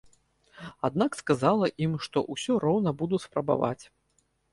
Аднак сказала ім, што ўсё роўна буду спрабаваць.